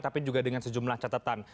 tapi juga dengan sejumlah catatan